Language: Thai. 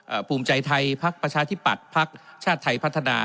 เอ่อภูมิใจไทยภักดิ์ประชาธิบัตรภักดิ์ชาติไทยพัฒนา